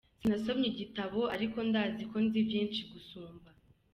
Sinasomye igitabo, ariko ndazi ko nzi vyinshi gusumba.